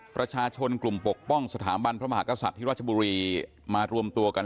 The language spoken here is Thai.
ประชาชนกลุ่มปกป้องสถาบันพระมหากษัตริย์ที่ราชบุรีมารวมตัวกัน